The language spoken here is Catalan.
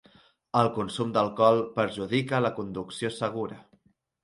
El consum d'alcohol perjudica la conducció segura.